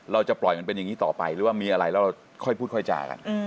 เราจะปล่อยมันเป็นอย่างนี้ต่อไปหรือว่ามีอะไรแล้วเราค่อยพูดค่อยจากัน